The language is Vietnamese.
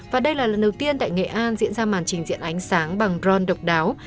và đây là lần đầu tiên tại nghệ an diễn ra màn trình diễn ánh sáng bằng dron độc đáo